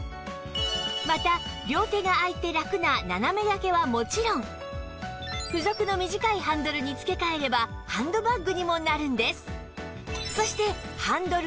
また両手が空いてラクな斜め掛けはもちろん付属の短いハンドルに付け替えればハンドバッグにもなるんです